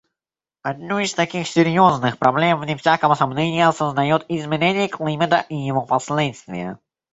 Одну из таких серьезных проблем, вне всякого сомнения, создает изменение климата и его последствия.